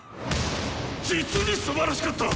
実にすばらしかった！